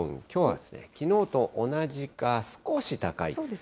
きょうはきのうと同じか、少し高い。